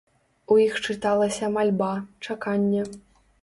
У іх чыталася мальба, чаканне.